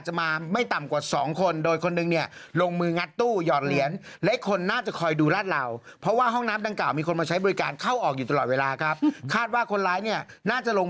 ช่วงนี้ก็ดูแลไปก่อนไม่มีใครจัดการบทดำได้หรอก